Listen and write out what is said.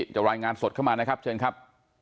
รายงานสดเข้ามานะครับเชิญครับ